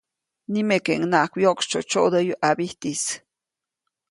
Nimekeʼunŋaʼak wyoʼksytsyoʼtsyoʼdäyu ʼabijtis.